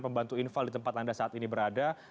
pembantu infal di tempat anda saat ini berada